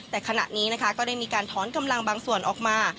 แต่ขณะนี้นะคะก็ได้มีการถอนกำลังบางส่วนออกมา